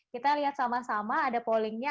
kita lihat sama sama ada pollingnya